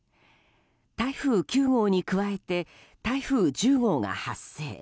台風９号に加えて台風１０号が発生。